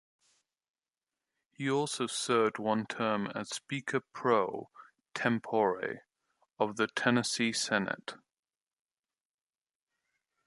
He also served one term as Speaker pro Tempore of the Tennessee Senate.